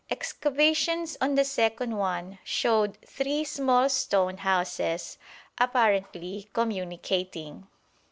Excavations on the second one showed three small stone houses, apparently communicating.